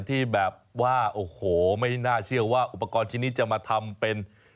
ที่แบบว่าโอ้โหไม่น่าเชื่อว่าอุปกรณ์ชิ้นนี้จะมาทำเป็น